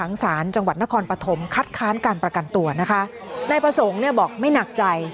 สารจังหวัดนครปฐมคัดค้านการประกันตัวนะคะนายประสงค์เนี่ยบอกไม่หนักใจ